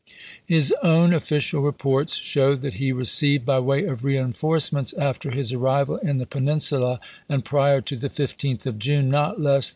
His own official reports show that he re ceived by way of reenforcements, after his arrival in the Peninsula and prior to the 15th of June, not 1862.